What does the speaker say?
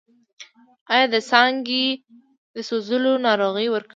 آیا د څانګو سوځول ناروغۍ ورکوي؟